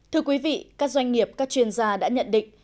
thưa quý vị các doanh nghiệp các chuyên gia đã nhận định